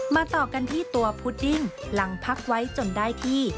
ต่อกันที่ตัวพุดดิ้งหลังพักไว้จนได้ที่